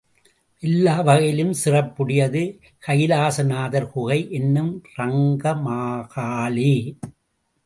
எல்லா வகையிலும் சிறப்புடையது கைலாசநாதர் குகை என்னும் ரங்கமகாலே.